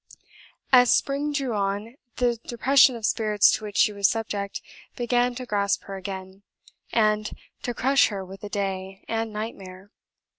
As spring drew on, the depression of spirits to which she was subject began to grasp her again, and "to crush her with a day and night mare."